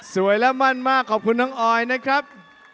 และมั่นมากขอบคุณน้องออยนะครับ